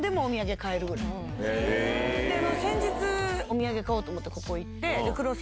先日お土産を買おうと思ってここへ行って。